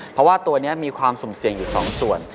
เพราะว่าตัวนี้มีความสุ่มเสี่ยงอยู่๒ส่วน